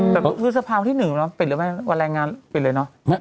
แบบพฤษภาพที่๑ปิดหรือเปล่าวันแรงงานปิดเลยเนอะ